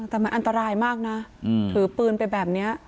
อันตรายมากนะถือเปลี่ยนแบบนี้